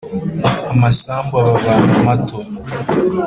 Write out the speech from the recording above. amasambu ababana mato.